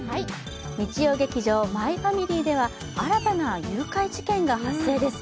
日曜劇場「マイファミリー」では新たな誘拐事件が発生です。